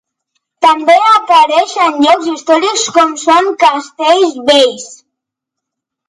També apareix en llocs històrics, com són castells vells.